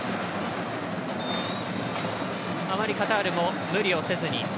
あまりカタールも無理をせずに。